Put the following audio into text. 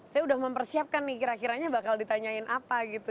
saya udah mempersiapkan nih kira kiranya bakal ditanyain apa gitu